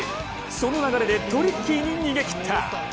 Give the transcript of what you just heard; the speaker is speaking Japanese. その流れでトリッキーに逃げきった！